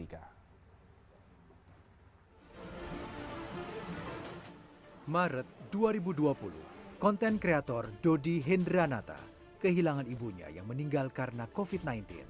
maret dua ribu dua puluh konten kreator dodi hendranata kehilangan ibunya yang meninggal karena covid sembilan belas